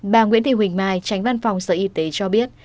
bà nguyễn thị huỳnh mai tránh văn phòng sở y tế cho biết